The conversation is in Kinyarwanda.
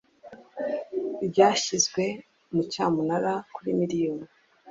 ryashyizwe mu cyamunara kuri miliyoni